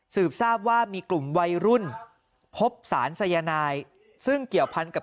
ทราบว่ามีกลุ่มวัยรุ่นพบสารสายนายซึ่งเกี่ยวพันกับ